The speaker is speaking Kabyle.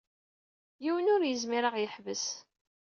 Yiwen ur yezmir ad aɣ-yeḥbes.